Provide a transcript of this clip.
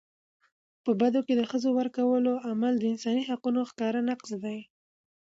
په بدو کي د ښځو ورکولو عمل د انساني حقونو ښکاره نقض دی.